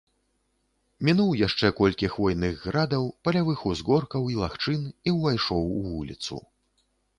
Мінуў яшчэ колькі хвойных градаў, палявых узгоркаў і лагчын і ўвайшоў у вуліцу.